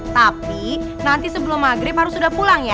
tapi nanti sebelum maghrib harus sudah pulang ya